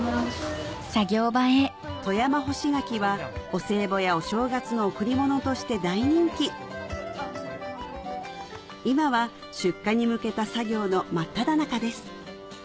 富山干し柿はお歳暮やお正月の贈り物として大人気今は出荷に向けた作業の真っただ中です